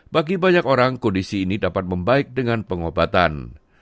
bagi banyak orang kondisi ini dapat membaik dengan pengobatan